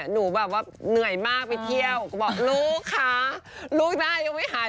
หนูแบบว่าเหนื่อยมากไปเที่ยวก็บอกลูกคะลูกได้ยังไม่หาย